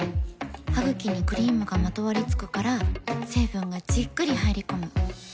ハグキにクリームがまとわりつくから成分がじっくり入り込む。